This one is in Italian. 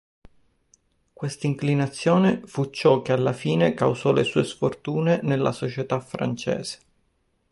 Questa inclinazione fu ciò che alla fine causò le sue sfortune nella società francese.